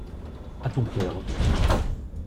À ton père.